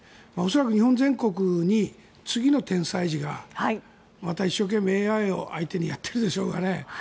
恐らく、日本全国に次の天才児がまた一生懸命、ＡＩを相手にやっているでしょうね。